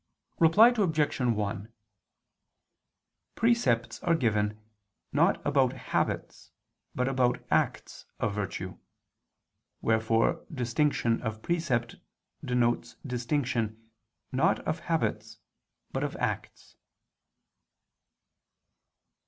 Reply Obj. 1: Precepts are given, not about habits but about acts of virtue: wherefore distinction of precept denotes distinction, not of habits, but of acts.